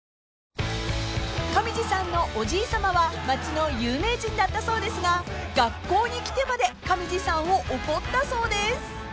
［上地さんのおじいさまは町の有名人だったそうですが学校に来てまで上地さんを怒ったそうです］